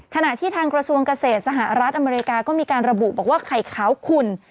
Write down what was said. ขณะที่ทางกระทรวงเกษตรสหรัฐอเมริกาก็มีการระบุบอกว่าไข่ขาวขุ่น